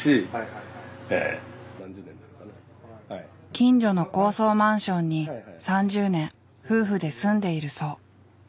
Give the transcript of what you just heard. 近所の高層マンションに３０年夫婦で住んでいるそう。